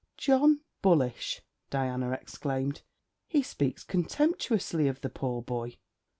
'John Bullish!' Diana exclaimed. 'He speaks contemptuously of the poor boy.'